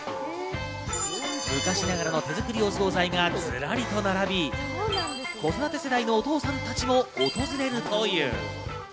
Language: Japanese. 昔ながらの手づくりお惣菜がずらりと並び、子育て世代のお父さんたちも訪れるという。